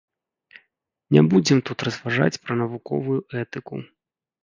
Не будзем тут разважаць пра навуковую этыку.